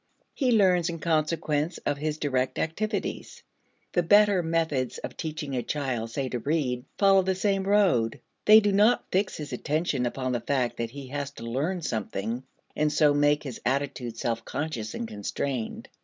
He learns in consequence of his direct activities. The better methods of teaching a child, say, to read, follow the same road. They do not fix his attention upon the fact that he has to learn something and so make his attitude self conscious and constrained.